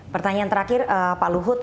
pertanyaan terakhir pak luhut